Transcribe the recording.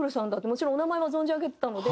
もちろんお名前は存じ上げてたので。